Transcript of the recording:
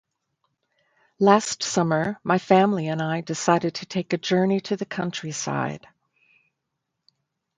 "Last summer, my family and I decided to take a journey to the countryside.